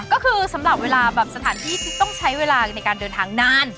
ก็คือสำหรับเวลาแบบสถานที่ที่ต้องใช้เวลาในการเดินทางนาน